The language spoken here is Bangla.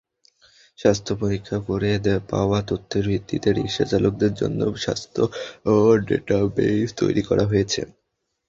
স্বাস্থ্য পরীক্ষা করে পাওয়া তথ্যের ভিত্তিতে রিকশাচালকদের জন্য স্বাস্থ্য ডেটাবেইস তৈরি করা হয়েছে।